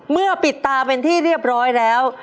เมื่อปิดตาเป็นที่เรียบร้อยแล้ว